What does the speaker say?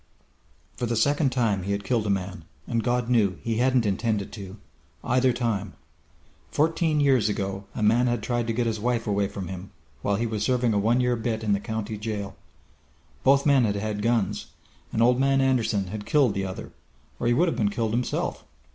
For the second time he had killed a man, and God knew he hadn't intended to either time! Fourteen years ago a man had tried to get his wife away from him, while he was serving a one year bit in the county jail. Both men had had guns, and Old Man Anderson had killed the other or he would have been killed himself.